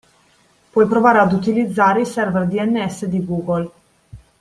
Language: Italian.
Puoi provare ad utilizzare i server DNS di Google.